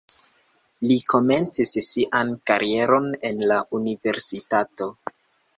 Li komencis sian karieron en la universitato.